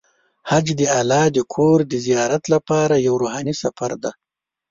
حج د الله د کور د زیارت لپاره یو روحاني سفر دی.